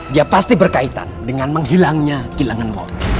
dia pasti berkaitan dengan menghilangnya kilanganmu